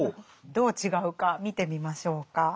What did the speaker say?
どう違うか見てみましょうか。